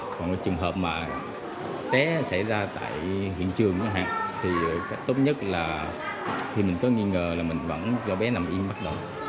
còn trường hợp mà té xảy ra tại hiện trường thì tốt nhất là mình có nghi ngờ là mình vẫn cho bé nằm yên bắt đầu